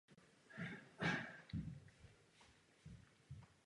V případě posunutí jejich hranic by byla ohrožena existence obou sídel.